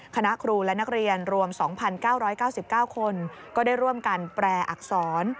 คณะครูและนักเรียนรวมสองพันเก้าร้อยเก้าสิบเก้าคนก็ได้ร่วมกันแปลอักษร